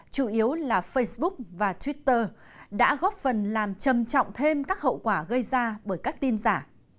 chủ yếu là facebook và twitter đã góp phần làm trầm trọng thêm các hậu quả gây ra bởi các tin giả